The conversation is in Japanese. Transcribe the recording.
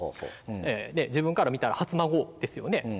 自分から見たら初孫ですよね。